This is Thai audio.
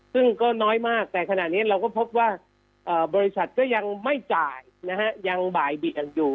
ซึ่งก็น้อยมากแต่ขณะนี้เราก็พบว่าบริษัทก็ยังไม่จ่ายนะฮะยังบ่ายเบียงอยู่